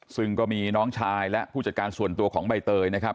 ซึ่งก็มีน้องชายและผู้จัดการส่วนตัวของใบเตยนะครับ